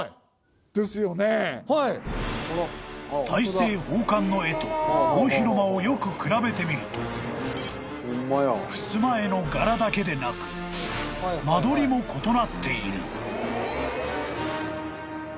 ［大政奉還の絵と大広間をよく比べてみるとふすま絵の柄だけでなく間取りも異なっている］